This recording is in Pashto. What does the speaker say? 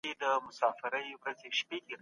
ازاده مطالعه د ټولني فرهنګي غنا زياتوي.